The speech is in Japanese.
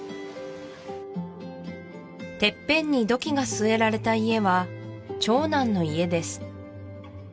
てっぺんに土器が据えられた家は長男の家です